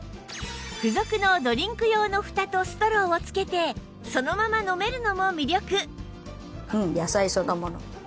付属のドリンク用のふたとストローを付けてそのまま飲めるのも魅力